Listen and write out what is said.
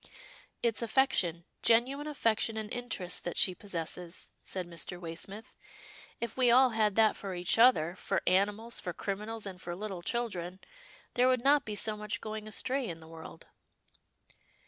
" It's affection — genuine affection and interest that she possesses," said Mr. Waysmith. " If we all had that for each other, for animals, for criminals, and for little children, there would not be so much going astray in the world."